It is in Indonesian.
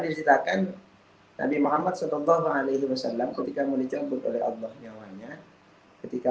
dititakan nabi muhammad sallallahu alaihi wasallam ketika menjemput oleh allah nyawanya ketika